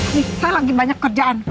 ini saya lagi banyak kerjaan